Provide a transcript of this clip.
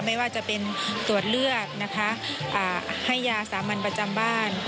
ไม่ว่าจะเป็นตรวจเลือดนะคะให้ยาสามัญประจำบ้าน